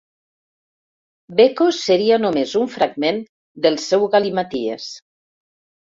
Becos seria només un fragment del seu galimaties.